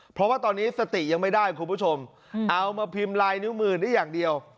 เพราะว่าตอนนี้สติยังไม่ได้คุณผู้ชมเอามาพิมพ์ลายนิ้วมือได้อย่างเดียว